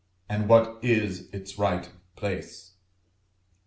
and what is its right place?